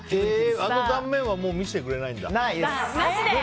あの断面はもう見せてくれないんだ。